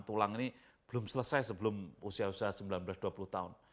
tulang ini belum selesai sebelum usia usia sembilan belas dua puluh tahun